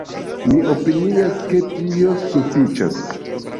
Mi opinias, ke tio sufiĉas!